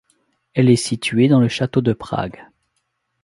Elle est située dans le château de Prague.